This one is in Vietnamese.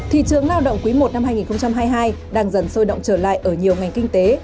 thị trường lao động quý i năm hai nghìn hai mươi hai đang dần sôi động trở lại ở nhiều ngành kinh tế